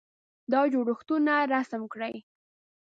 دا جوړښتونه رسم کړئ.